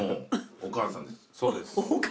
お母さんですか？